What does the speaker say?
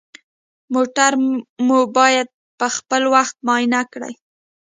موټر مو باید پخپل وخت معاینه کړئ.